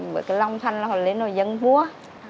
với cái lòng thành là họ lên rồi dân vua